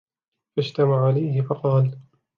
فَاجْتَمَعُوا عَلَيْهِ فَقَالَ